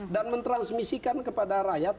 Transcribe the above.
dan mentransmisikan kepada rakyat